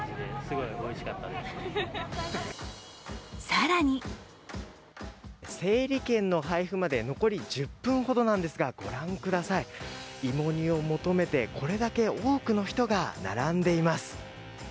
更に整理券の配布まで、残り１０分ほどなんですが、ご覧ください、芋煮を求めてこれだけ多くの人が並んでいます。